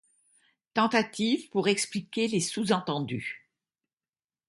Tentatives pour expliquer les sous-entendus.